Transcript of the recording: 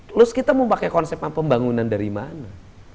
terus kita mau pakai konsep pembangunan dari mana